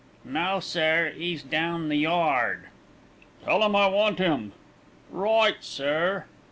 "No, sir; 'e's down the yard." "Tell him I want him." "Right, sir."